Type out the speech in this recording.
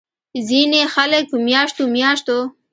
ځينې خلک پۀ مياشتو مياشتو